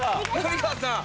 浪川さん